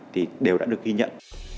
thì đều đã được ghi nhận